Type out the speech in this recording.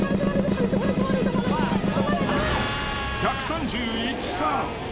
１３１皿。